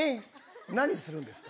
何するんですか？